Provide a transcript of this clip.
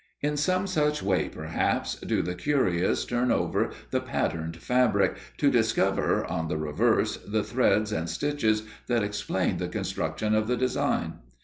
In some such way, perhaps, do the curious turn over the patterned fabric, to discover, on the reverse, the threads and stitches that explain the construction of the design.